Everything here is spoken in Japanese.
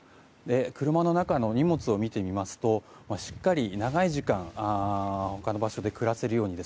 車の中の荷物を見てみますとしっかり長い時間他の場所で暮らせるように